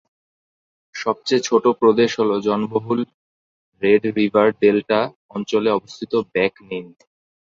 সবচেয়ে ছোট প্রদেশ হল জনবহুল রেড রিভার ডেল্টা অঞ্চলে অবস্থিত ব্যাক নিন।